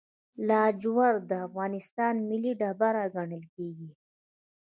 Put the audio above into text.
لاجورد د افغانستان ملي ډبره ګڼل کیږي.